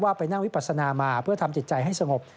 ไปนั่งวิปัสนามาเพื่อทำจิตใจให้สงบ